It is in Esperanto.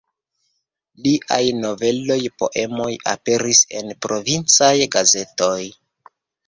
Liaj noveloj, poemoj aperis en provincaj gazetoj.